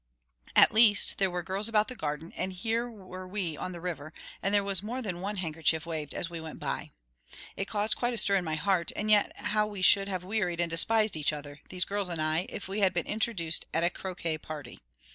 At least—there were the girls about the garden; and here were we on the river; and there was more than one handkerchief waved as we went by. It caused quite a stir in my heart; and yet how we should have wearied and despised each other, these girls and I, if we had been introduced at a croquet party!